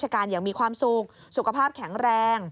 ก็ก่าวอวยพร